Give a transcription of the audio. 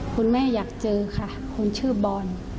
แม่อยากเจอค่ะคนชื่อบอล